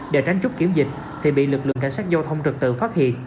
để tránh chút kiểm dịch thì bị lực lượng cảnh sát giao thông trật tự phát hiện